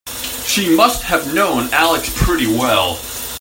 She must have known Alex pretty well.